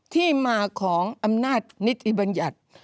ที่มาของอำนาจนิติบัญญัติ